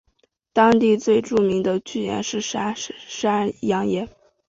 当地最著名的巨岩是山羊岩。